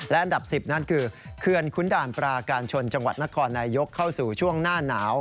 และอันดับ๑๐นั่นคือเขื่อนขุนด่านปราการชนจังหวัดนครนายกเข้าสู่ช่วงหน้าหนาว